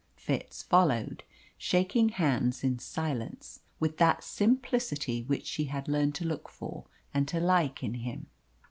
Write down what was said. Fitz followed, shaking hands in silence, with that simplicity which she had learned to look for and to like in him.